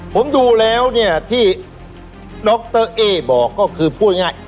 ผมดูแล้วที่ดรเอ้ยบอกก็คือพูดง่าย